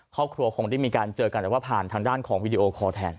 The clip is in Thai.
ครอบครัวคงได้มีการเจอกันแต่ว่าผ่านทางด้านของวีดีโอคอลแทน